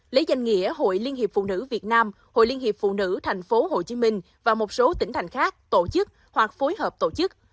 lấy danh nghĩa hội liên hiệp phụ nữ việt nam hội liên hiệp phụ nữ tp hcm và một số tỉnh thành khác tổ chức hoặc phối hợp tổ chức